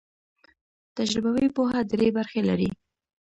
تجربوي پوهه درې برخې لري.